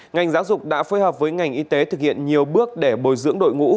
ngành giáo dục đã phối hợp với ngành y tế thực hiện nhiều bước để bồi dưỡng đội ngũ